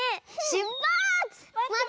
しゅっぱつ！